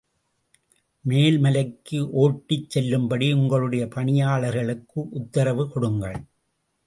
மேல் மலைக்கு ஓட்டிச் செல்லும்படி உங்களுடைய பணியாளர்களுக்கு உத்தரவு கொடுங்கள்.